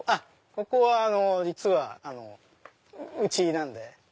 ここは実はうちなんで。